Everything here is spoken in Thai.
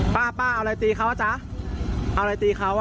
ป้าป้าเอาอะไรตีเขาอ่ะจ๊ะเอาอะไรตีเขาอ่ะ